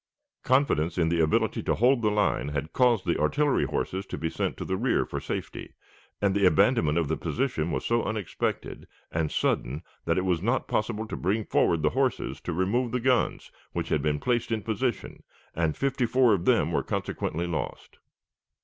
Confidence in the ability to hold the line had caused the artillery horses to be sent to the rear for safety, and the abandonment of the position was so unexpected and sudden that it was not possible to bring forward the horses to remove the guns which had been placed in position, and fifty four of them were consequently lost.